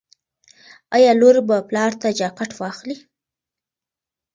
ایا لور به پلار ته جاکټ واخلي؟